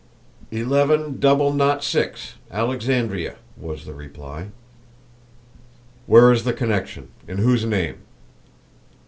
"Eleven double nought six, Alexandria," was the reply. "Where is the connection? In whose name?"